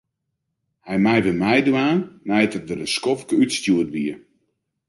Hy mei wer meidwaan nei't er der in skoftke útstjoerd wie.